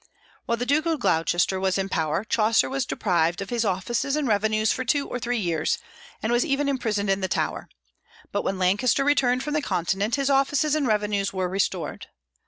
While the Duke of Gloucester was in power, Chaucer was deprived of his offices and revenues for two or three years, and was even imprisoned in the Tower; but when Lancaster returned from the Continent, his offices and revenues were restored.